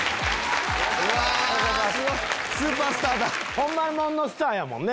ホンマもんのスターやもんね。